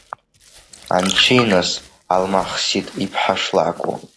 Анцәиныс, Алмахсиҭ иԥҳа шлакәу!